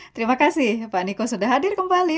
terima kasih pak niko sudah hadir kembali